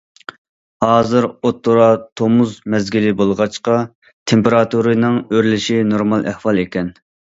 ھازىر ئوتتۇرا تومۇز مەزگىلى بولغاچقا، تېمپېراتۇرىنىڭ ئۆرلىشى نورمال ئەھۋال ئىكەن.